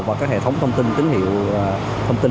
và các hệ thống thông tin